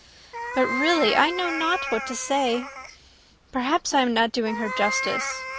But, really, I know not what to say. Perhaps I am not doing her justice.